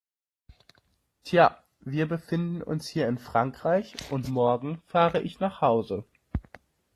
Tja, wir befinden uns hier in Frankreich, und morgen fahre ich nach Hause.